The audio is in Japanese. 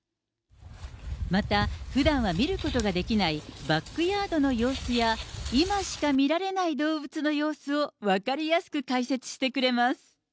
またふだんは見ることができないバックヤードの様子や、今しか見られない動物の様子を分かりやすく解説してくれます。